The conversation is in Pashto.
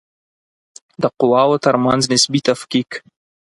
د قواوو ترمنځ نسبي تفکیک